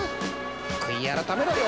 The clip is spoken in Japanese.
［悔い改めろよ］